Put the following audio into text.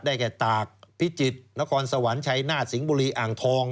แก่ตากพิจิตรนครสวรรค์ชัยนาฏสิงห์บุรีอ่างทอง